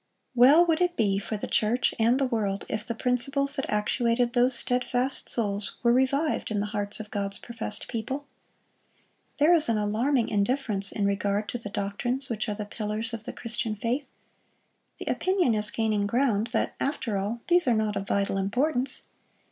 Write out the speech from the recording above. Well would it be for the church and the world if the principles that actuated those steadfast souls were revived in the hearts of God's professed people. There is an alarming indifference in regard to the doctrines which are the pillars of the Christian faith. The opinion is gaining ground, that, after all, these are not of vital importance.